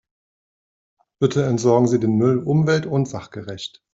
Bitte entsorgen Sie den Müll umwelt- und sachgerecht.